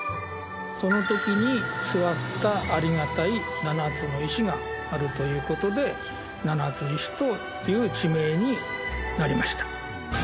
その時に座ったありがたい７つの石があるという事で七ツ石という地名になりました。